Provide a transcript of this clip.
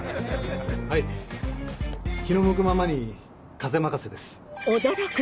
はい気の向くままに風任せです。